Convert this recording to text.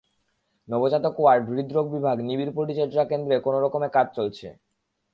নবজাতক ওয়ার্ড, হৃদ্রোগ বিভাগ, নিবিড় পরিচর্যা কেন্দ্রে কোনো রকমে কাজ চলছে।